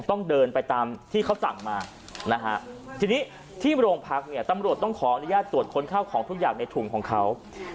ต้องเดินไปตามที่เขาสั่งมานะฮะทีนี้ที่โรงพักเนี่ยตำรวจต้องขออนุญาตตรวจค้นข้าวของทุกอย่างในถุงของเขา